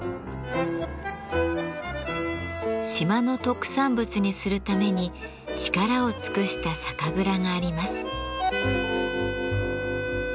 島の特産物にするために力を尽くした酒蔵があります。